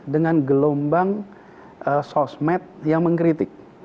dengan gelombang sosmed yang mengkritik